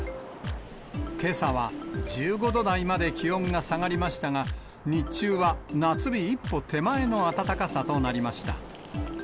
けさは１５度台まで気温が下がりましたが、日中は夏日一歩手前の暖かさとなりました。